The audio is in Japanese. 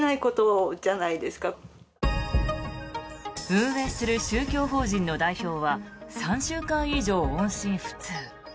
運営する宗教法人の代表は３週間以上音信不通。